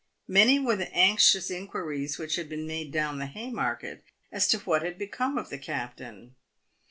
Many were the anxious in quiries which had been made down the Haymarket as to what had become of the captain.